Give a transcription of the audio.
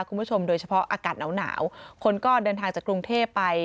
คุณผู้ชมโดยเฉพาะอากาศหนาวคนก็เดินทางจากกรุงเทพไป